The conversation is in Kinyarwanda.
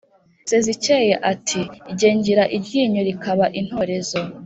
Sezikeye ati: “Ge ngira iryinyo rikaba intorezo